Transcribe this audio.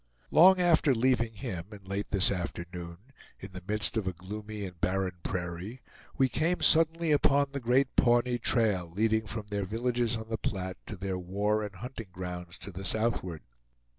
Long after leaving him, and late this afternoon, in the midst of a gloomy and barren prairie, we came suddenly upon the great Pawnee trail, leading from their villages on the Platte to their war and hunting grounds to the southward.